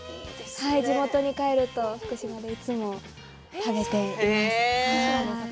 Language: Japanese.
地元福島に帰るといつも食べています。